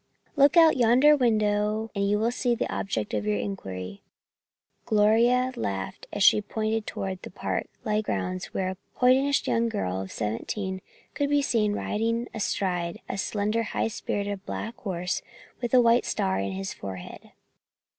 "Look out of yonder window and you will see the object of your inquiry," Gloria laughed as she pointed toward the park like grounds where a hoidenish young girl of 17 could be seen riding astride a slender high spirited black horse with a white star in his forehead.